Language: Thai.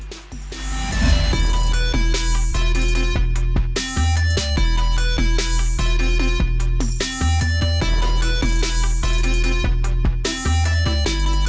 เชื่อมาให้โชคกับเจ้าของบ้าน